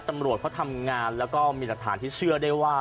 ตำรวจเขาทำงานแล้วก็มีหลักฐานที่เชื่อได้ว่า